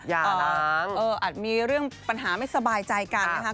ยาล้างเอออาจมีเรื่องปัญหาไม่สบายใจกันนะคะ